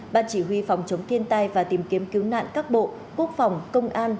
ban chỉ huy phòng chống thiên tai và tìm kiếm cứu nạn các bộ quốc phòng công an